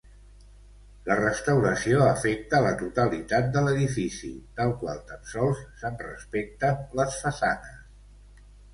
La restauració afecta la totalitat de l'edifici, del qual tan sols se'n respecten les façanes.